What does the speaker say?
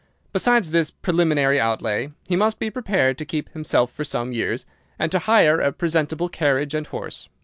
Besides this preliminary outlay, he must be prepared to keep himself for some years, and to hire a presentable carriage and horse.